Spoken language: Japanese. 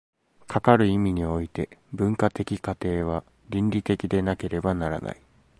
かかる意味において、文化的過程は倫理的でなければならない。